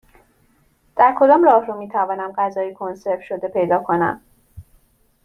در کدام راهرو می توانم غذای کنسرو شده پیدا کنم؟